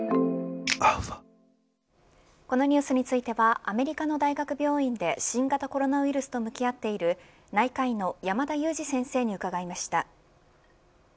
このニュースについてはアメリカの大学病院で新型コロナウイルスと向き合っている内科医の山田悠史先生に伺いました。